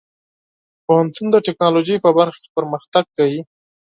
پوهنتون د ټیکنالوژۍ په برخه کې پرمختګ کوي.